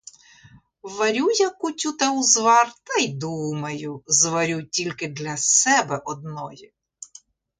Варю я кутю та узвар та й думаю: зварю тільки для себе одної.